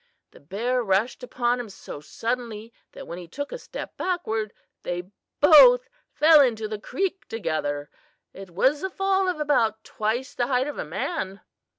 The bear rushed upon him so suddenly that when he took a step backward, they both fell into the creek together. It was a fall of about twice the height of a man."